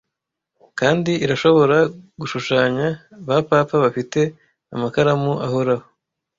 Kandi irashobora gushushanya ba papa bafite amakaramu ahoraho